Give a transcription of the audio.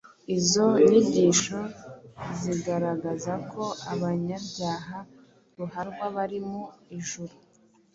Izo nyigisho zigaragaza ko abanyabyaha ruharwa bari mu ijuru,